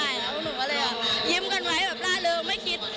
เราก็เลยยิ้มกันไว้ร่าเริง